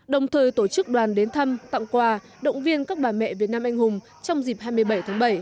đồng thời tổ chức đoàn đến thăm tặng quà động viên các bà mẹ việt nam anh hùng trong dịp hai mươi bảy tháng bảy